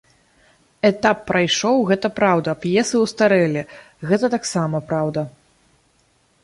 Этап прайшоў, гэта праўда, п'есы ўстарэлі, гэта таксама праўда.